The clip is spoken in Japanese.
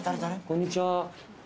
こんにちは